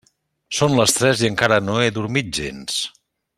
Són les tres i encara no he dormit gens.